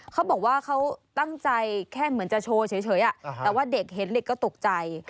เขาบอกว่าเขาตั้งใจแค่เหมือนจะโชว์เฉยแต่ว่าเด็กเห็นเด็กก็ตกใจ